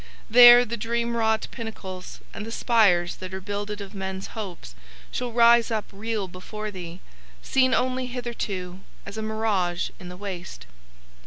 There, the dream wrought pinnacles and the spires that are builded of men's hopes shall rise up real before thee, seen only hitherto as a mirage in the Waste.